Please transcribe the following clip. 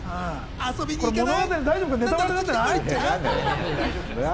遊びに行けない？